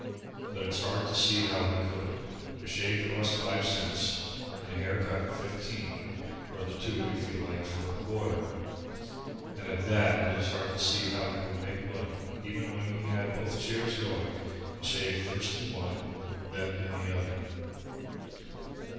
But it's hard to see how he could. A shave cost five cents, and a hair cut fifteen (or the two, if you liked, for a quarter), and at that it is hard to see how he could make money, even when he had both chairs going and shaved first in one and then in the other.